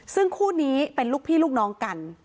ซึ่งคู่นี้เป็นลูกพี่ลูกน้องกัน